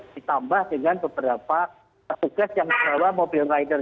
ditambah dengan beberapa tugas yang menawar mobil rider